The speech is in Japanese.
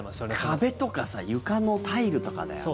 壁とか床のタイルとかだよね。